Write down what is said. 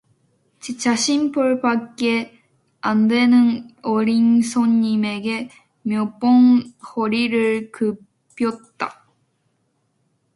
제 자식뻘밖에 안 되는 어린 손님에게 몇 번 허리를 굽혔다